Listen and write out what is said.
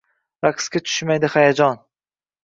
Raqsga tushmaydi hayajon